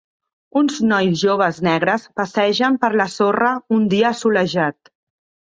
Uns nois joves negres passegen per la sorra un dia assolellat.